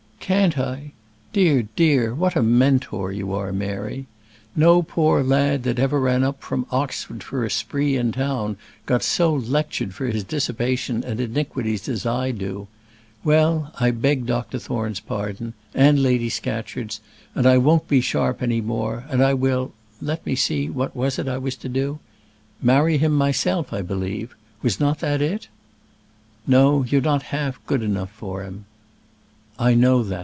"Can't I? Dear, dear, what a Mentor you are, Mary! No poor lad that ever ran up from Oxford for a spree in town got so lectured for his dissipation and iniquities as I do. Well, I beg Dr. Thorne's pardon, and Lady Scatcherd's, and I won't be sharp any more; and I will let me see, what was it I was to do? Marry him myself, I believe; was not that it?" "No; you're not half good enough for him." "I know that.